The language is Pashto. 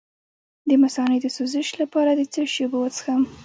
د مثانې د سوزش لپاره د څه شي اوبه وڅښم؟